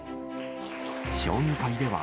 将棋界では、